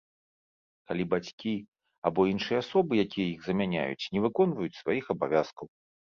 Калі бацькі або іншыя асобы, якія іх замяняюць, не выконваюць сваіх абавязкаў.